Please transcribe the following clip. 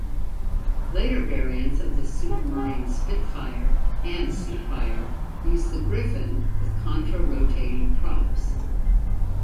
Later variants of the Supermarine Spitfire and Seafire used the Griffon with contra-rotating props.